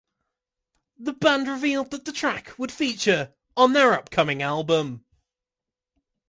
The band revealed that the track would feature on their upcoming album.